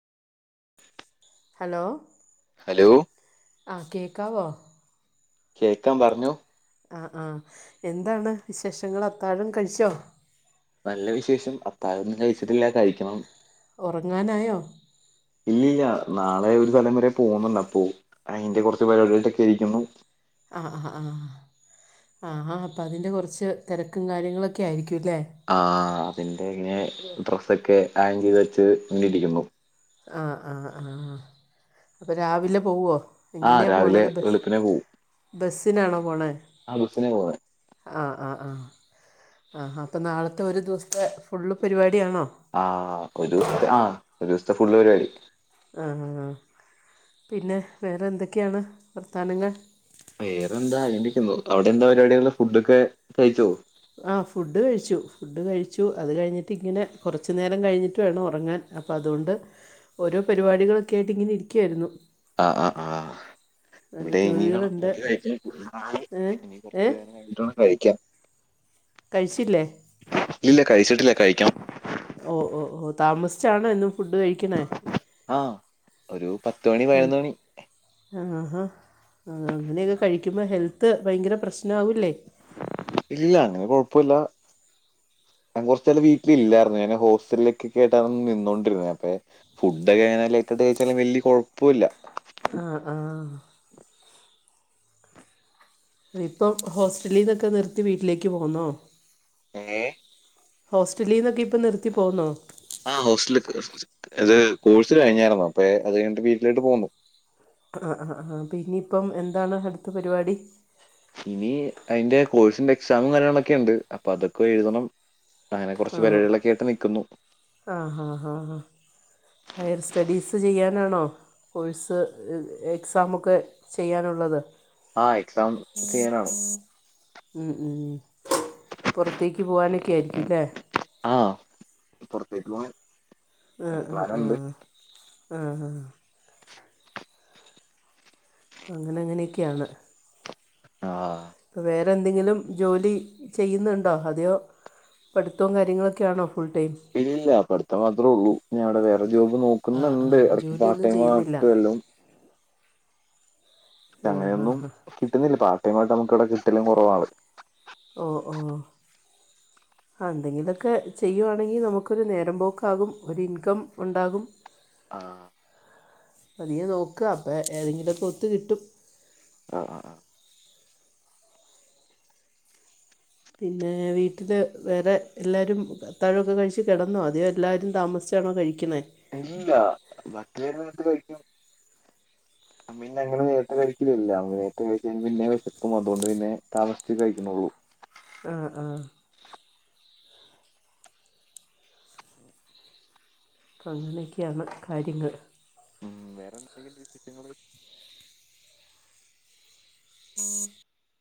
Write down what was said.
hello hello ആഹ് കേക്കാവോ കേക്കാം പറഞ്ഞൊ ആഹ് ആഹ് എന്താണ് വിശേഷങ്ങള് അത്താഴം കഴിച്ചോ നല്ല വിശേഷം അത്താഴൊന്നും കഴിച്ചിട്ടില്ല കഴിക്കണം ഒറങ്ങാനായോ ഇല്ലില്ല നാളെ ഒരു സ്ഥലം വരെ പോകുന്നുണ്ട് അപ്പോ അയിന്റെ കൊറച്ച് പരിപാടികളൊക്കെട്ടായിരിക്കുന്നു ആഹ് ആഹ് ആഹ് ആ ഹ അപ്പം അതിൻ്റെ കൊറച്ച് തെരക്കും കാര്യങ്ങളൊക്കെ ആയിരിക്കൂല്ലേ ആഹ് അതിന്റെ ഇങ്ങനെ ഡ്രസ്സൊക്കെ അയൺ ചെയ്ത് വെച്ച് ഇങ്ങനെ ഇരിക്കുന്നു ആഹ് ആഹ് ആഹ് അപ്പം രാവിലെ പൊവ്വോ ആ എങ്ങനെയാ രാവിലെ പോണത് ബസ് വെളുപ്പിനെ പോവും ബസ്സിനാണോ പോണെ ആ ബസ്സിനാ പോവുന്നെ ആഹ് ആഹ് ആഹ് ആഹ് അപ്പം നാളത്തെ ഒരു ദിവസത്തെ ഫുള്ള് പരിപാടിയാണോ ആഹ് ഒരു ദിവസത്തെ ആഹ് ഒരു ദിവസത്തെ ഫുള്ള് പരിപാടി ആഹ് ഹ ഹ പിന്നെ വേറെ എന്തെക്കെയാണ് വർത്താനങ്ങൾ വേറെന്താ ഇങ്ങനിരിക്കുന്നു അവിടെ എന്താ പരിപാടിയുള്ളെ ഫുഡ് ഒക്കെ കയ്ച്ചോ ആഹ് ഫുഡ് കഴിച്ചു ഫുഡ് കഴിച്ചു അത് കഴിഞ്ഞിട്ട് ഇങ്ങനെ കൊറച്ച് നേരം കഴിഞ്ഞിട്ട് വേണം ഒറങ്ങാൻ അപ്പം അതുകൊണ്ട് ഓരോ പരിപാടികളൊക്കെ ആയിട്ട് ഇങ്ങനെ ഇരിക്കുവായിരുന്നു ആഹ് ആഹ് ആഹ് ഇവിടെ ഇനി വേണം ജോലികളുണ്ട് ഫുഡ്‌ കഴിക്കാൻ [unintelligible] ആയി ഏ ഇനി ഏ കൊറച്ചു നേരം കഴിഞ്ഞിട്ട് വേണം കഴിക്കാം കഴിച്ചില്ലേ ഇല്ല കഴിച്ചിട്ടില്ല കഴിക്കണം ഓ ഓ ഓ താമസിച്ചാണ് എന്നും ഫുഡ് കഴിക്ക്‌ണേ ആ ഒരു പത്ത്മണി അങ്ങനെ പയിനൊന്ന് മണി ആഹാ അങ്ങനെയൊക്കെ കഴിക്കുമ്പോൾ ഹെൽത്ത് ഭയങ്കര പ്രശ് നാ വില്ലേ ഇല്ല അങ്ങനെ കൊഴപ്പില്ല ഞാൻ കുറച്ചാ വീട്ടില ഇില്ലായിരുന്നു ഞാൻ ഹോസ്റ്റലിലേക്കെ കേട്ടാ നിന്നുകോണ്ടിരുന്നത് അപ്പൊ ഫുഡ്ക്കെങ്ങനെ കഴിക്കേണ്ട വച്ചാലും വലിയ കുഴപ്പമില്ല ആഹ് ആഹ് ആഹ് ഇപ്പം ഹോസ്റ്റലീന്നൊക്കെ നിർത്തി വീട്ടിലേക്ക് പോന്നോ ഏഹ് ഹോസ്റ്റലിന്നൊക്കെ ഇപ്പൊ നിർത്തി പോകുന്നോ ആ ഹോസ്റ്റലക്ക് അത് കോഴ്സ് കഴിഞ്ഞായിരുന്നു അപ്പൊ അത് കഴിഞ്ഞി ട്ട് വീട്ടിലോട്ട് പോന്നു ആ ആ ആ പിന്നെയിപ്പം എന്താണ് അടുത്ത പരിപാടി ഇനി അതിന്റെ കോഴ്സിന്റെ എക്സാമും കാര്യങ്ങളൊക്കെ ഉണ്ട് അപ്പൊ അതൊക്കെ എഴുതണം അങ്ങനെ ആ കുറച്ച് പരിപാടികളൊക്കെ ആയിട്ട് നിക്കുന്നു ആ ഹാ ഹാ ഹാ ഹയർ സ്റ്റഡീസ് ചെയ്യാനാണോ കോഴ്സ് എക്സാമൊക്കെ ചെയ്യാനുള്ളത് [inaudible] ആഹ് എക്സാം ചെയ്യാനാണ് ഉം ഉം പൊറത്തേക്ക് പോകാനൊക്കെ ആയിരിക്കും ഇല്ലേ ആഹ് പുറത്തേക്ക് പോകാൻ ആ ആ ആ ആ ആ അങ്ങനെങ്ങനെയൊക്കെയാണ് ആഹ് ഇപ്പ വേറെ എന്തെങ്കിലും ജോലി ചെയ്യുന്നുണ്ടോ അതെയോ പഠിത്തവും കാര്യങ്ങളൊക്കൊണോ ഫുൾ ടൈം ഇല്ല പഠിത്തം മാത്രേ ഉള്ളൂ ഇനി അവിടെ വേറെ ജോബ് ആ ആ നോക്കുന്നുണ്ട് അടുത്ത പാർട്ട് ജോലിയൊന്നും ടൈം ചെയ്യുന്നില്ല ആയിട്ടല്ലോ ആ ഹാ അങ്ങനെയൊന്നും ഹാ കിട്ടുന്നില്ല പാർടൈ ആയിട്ട് നമുക്കവിടെ കിട്ടല് കുറവാണ് ഓഹ് ഓഹ് ആഹ് എന്തെങ്കിലൊക്കെ ചെയ്യുവാണെങ്കിൽ നമുക്കൊരു നേരം പോക്കാകും ഒരു ഇൻകം ഉണ്ടാകും ആഹ് അതി നോക്ക അപ്പം ഏതെങ്കിലുമൊക്കെ ഒത്ത് കിട്ടും ആ ആ ആ പിന്നെ വീട്ടിൽ വേറെ എല്ലാരും അത്താഴമൊക്കെ കഴിച്ച് കിടന്നോ അതിയോ എല്ലാവരും താമസിച്ചാണോ കഴിക്കുന്നെ [unintelligible] [inaudible] പിന്ന ഞങ്ങള് നേരത്തെ കഴിക്കിലില്ല നേരത്തെ കഴിച്ച പിന്നെ വിശക്കും അതുകൊണ്ട് പിന്നെ താമസിച്ച് കഴിക്കുണുള്ളൂ ആഹ് ആഹ് അങ്ങനെയൊക്കെയാണ് കാര്യങ്ങൾ ഉം വേറെ എന്തെങ്കിലും വിശേഷങ്ങള് [inaudible]